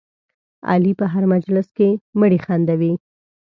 علي په هر مجلس کې مړي خندوي.